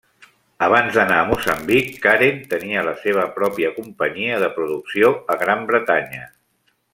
Abans d'anar a Moçambic, Karen tenia la seva pròpia companyia de producció a Gran Bretanya.